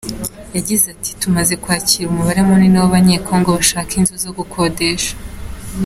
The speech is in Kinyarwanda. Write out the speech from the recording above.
Yagize ati “Tumaze kwakira umubare munini w’Abanye-Congo bashaka inzu zo gukodesha.”